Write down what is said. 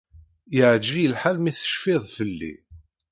Iεǧeb-iyi lḥal mi tecfiḍ fell-i.